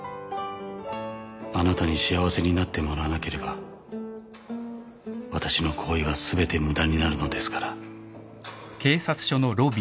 「あなたに幸せになってもらわなければ私の行為はすべてムダになるのですから」